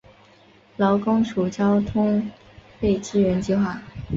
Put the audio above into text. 劳工处交通费支援计划